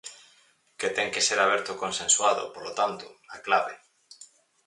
Que ten que ser aberto e consensuado, polo tanto, a clave.